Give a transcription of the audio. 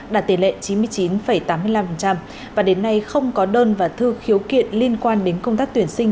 đạt tỷ lệ chín mươi chín tám mươi năm và đến nay không có đơn và thư khiếu kiện liên quan đến công tác tuyển sinh